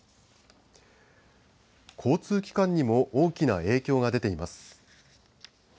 交通機関にも大きな影響が出ています。